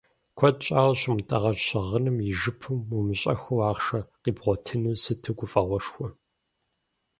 Куэд щӏауэ щыумытӏагъэж щыгъыным и жыпым умыщӏэххэу ахъшэ къибгъуатэну сыту гуфӏэгъуэшхуэ.